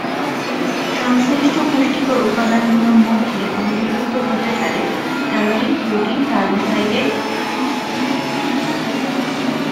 সংশ্লিষ্ট পুষ্টিকর উপাদানগুলোর মধ্যে অন্তর্ভুক্ত হতে পারে: ক্যালরি, প্রোটিন, কার্বোহাইড্রেট, ভিটামিন বা খনিজ পদার্থ।